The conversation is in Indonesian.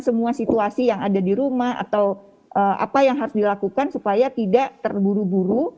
semua situasi yang ada di rumah atau apa yang harus dilakukan supaya tidak terburu buru